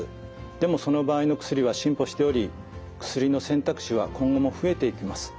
でもその場合の薬は進歩しており薬の選択肢は今後も増えていきます。